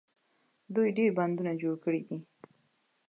دوی ډیر بندونه جوړ کړي دي.